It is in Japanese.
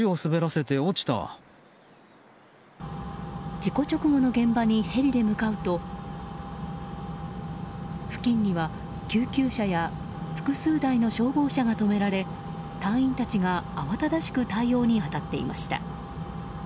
事故直後の現場にヘリで向かうと付近には、救急車や複数台の消防車が止められ隊員たちが慌ただしく対応に当たっていました。